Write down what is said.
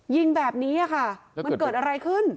ยิงแบบนี้ค่ะมันเกิดอะไรขึ้น